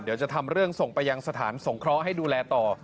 เดี๋ยวจะทำเรื่องส่งไปยังสถานสงเคราะห์ให้ดูแลต่อ